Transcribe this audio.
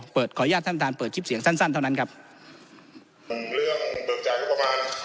ขออนุญาตท่านทานเปิดคลิปเสียงสั้นสั้นเท่านั้นครับเรื่องเบิกจ่ายงบประมาณ